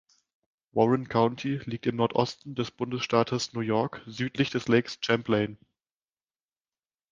Warren County liegt im Nordosten des Bundesstaates New York, südlich des Lake Champlain.